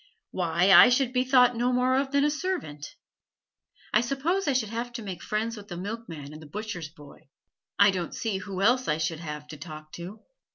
Why I should be thought no more of than a servant. I suppose I should have to make friends with the milkman and the butcher's boy; I don't see who else I should have to talk to.